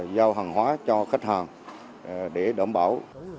giao hàng hóa cho khách hàng để đảm bảo